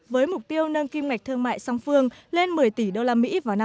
với mục tiêu nâng kim mạch thương mại song phương lên một mươi tỷ đô la mỹ vào năm hai nghìn hai mươi